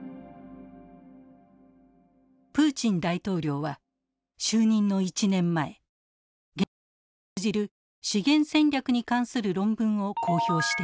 プーチン大統領は就任の１年前現在に通じる「資源戦略」に関する論文を公表していました。